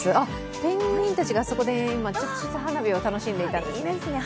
ペンギンたちがあそこで花火を楽しんでいたんですね。